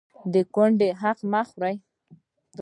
د کونډې حق مه خورئ